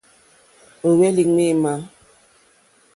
Ó hwélì̀ ŋměmà.